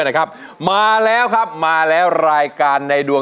นักสู้